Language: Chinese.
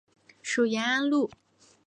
属延安路。